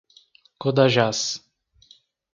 Codajás